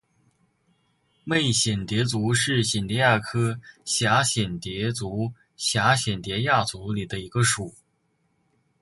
媚蚬蝶属是蚬蝶亚科蛱蚬蝶族蛱蚬蝶亚族里的一个属。